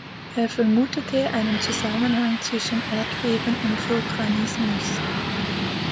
Er vermutete einen Zusammenhang zwischen Erdbeben und Vulkanismus.